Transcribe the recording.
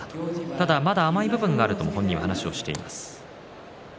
ただ、まだ甘い部分があると本人は話をしています。